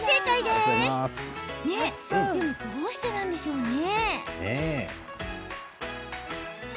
でも、どうしてなんでしょうか？